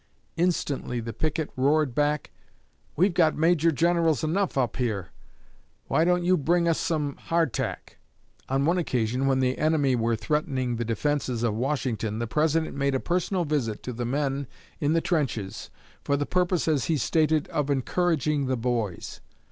Instantly the picket roared back: "We've got Major Generals enough up here why don't you bring us up some hardtack?" On one occasion, when the enemy were threatening the defenses of Washington, the President made a personal visit to the men in the trenches, for the purpose, as he stated, of "encouraging the boys."